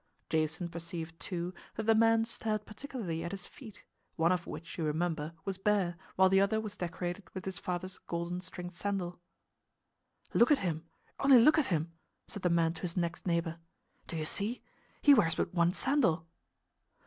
Jason perceived, too, that the man stared particularly at his feet, one of which, you remember, was bare, while the other was decorated with his father's golden stringed sandal. "Look at him! only look at him!" said the man to his next neighbor. "Do you see? He wears but one sandal!"